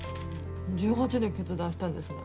１８で決断したんですね。